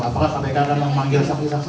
apakah kpk akan memanggil saksi saksi